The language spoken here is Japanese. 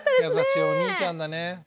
優しいお兄ちゃんだね。